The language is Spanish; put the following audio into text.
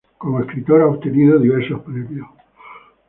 Como escritor ha obtenido diversos premios.